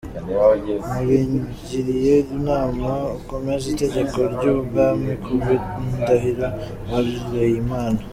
Nkugiriye inama, ukomeze itegeko ry’Umwami ku bw’indahiro warahiriye Imana.